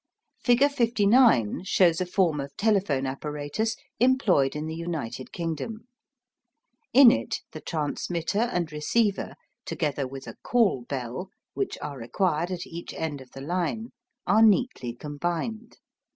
Figure 59 shows a form of telephone apparatus employed in the United Kingdom. In it the transmitter and receiver, together with a call bell, which are required at each end of the line, are neatly combined.